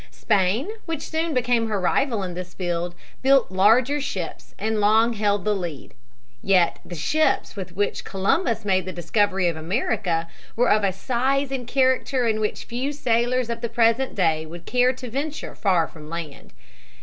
Spain, which soon became her rival in this field, built larger ships and long held the lead. Yet the ships with which Columbus made the discovery of America were of a size and character in which few sailors of the present day would care to venture far from land.